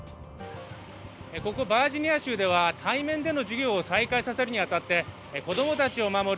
ここバージニア州では対面での授業を再開させるに当たって子供たちを守る